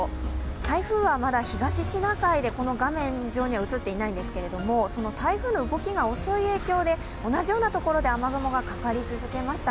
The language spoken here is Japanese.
台風はまだ東シナ海で画面上には映っていないんですけれども台風の動きが遅い状況で同じような所で雨雲がかかり続けました。